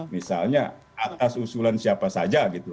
misalnya atas usulan siapa saja gitu